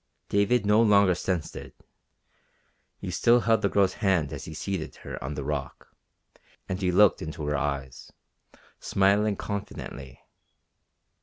David no longer sensed it. He still held the girl's hand as he seated her on the rock, and he looked into her eyes, smiling confidently.